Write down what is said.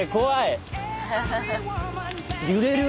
揺れる。